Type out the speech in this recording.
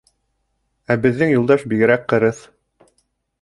Ә беҙҙең Юлдаш бигерәк ҡырыҫ.